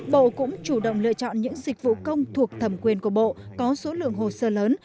bộ cũng chủ động lựa chọn những dịch vụ công thuộc thẩm quyền của bộ có số lượng hồ sơ lớn